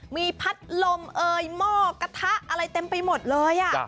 มีพัดลมเอ่ยหม้อกระทะอะไรเต็มไปหมดเลย